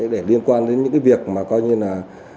để liên quan đến những cái việc mà coi như là